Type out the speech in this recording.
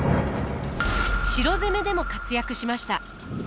城攻めでも活躍しました。